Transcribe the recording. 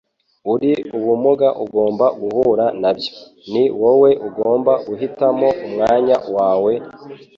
Uri ubumuga ugomba guhura nabyo. Ni wowe ugomba guhitamo umwanya wawe. ”